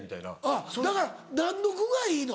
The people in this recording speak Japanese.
あっだから何の具がいいの？